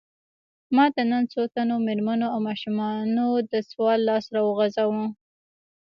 ماته نن څو تنو مېرمنو او ماشومانو د سوال لاس راوغځاوه.